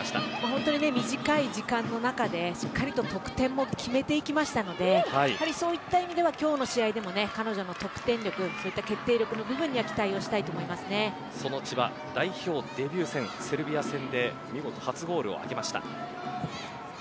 本当に短い時間の中でしっかりと得点も決めていきましたのでやはり、そういった意味では今日の試合でも彼女の得点力そういった決定力の部分にはその千葉、代表デビュー戦セルビア戦で見事初ゴールを挙げました。